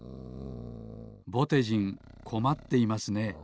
ぼてじんこまっていますね。